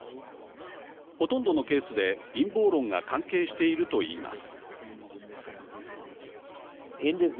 ほとんどのケースで陰謀論が関係していると言います。